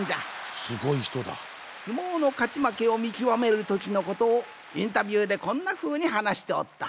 相撲のかちまけをみきわめるときのことをインタビューでこんなふうにはなしておった。